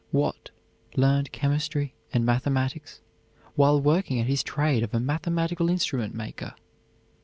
Watt learned chemistry and mathematics while working at his trade of a mathematical instrument maker.